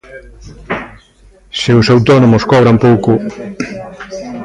¡Se os autónomos cobran pouco!